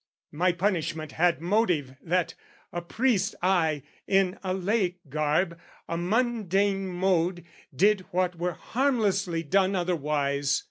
My punishment had motive that, a priest I, in a laic garb, a mundane mode, Did what were harmlessly done otherwise.